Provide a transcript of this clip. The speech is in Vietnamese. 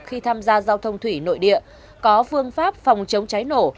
khi tham gia giao thông thủy nội địa có phương pháp phòng chống cháy nổ